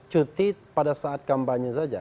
cuti pada saat kampanye saja